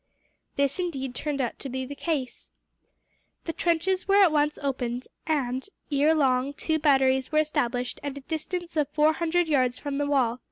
This indeed turned out to be the case. The trenches were at once opened and, ere long, two batteries were established at a distance of four hundred yards from the wall.